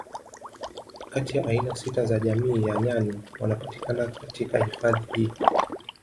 Kati ya aina sita za jamii ya nyani wanapatikana katika hifadhi hii